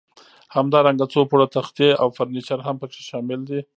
همدارنګه څو پوړه تختې او فرنیچر هم پکې شامل دي.